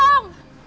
ada apa mbak